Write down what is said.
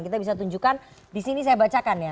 kita bisa tunjukkan disini saya bacakan ya